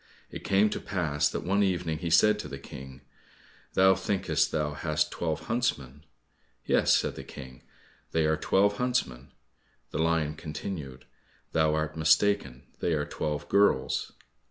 It came to pass that one evening he said to the King, "Thou thinkest thou hast twelve huntsmen?" "Yes," said the King, "they are twelve huntsmen." The lion continued, "Thou art mistaken, they are twelve girls."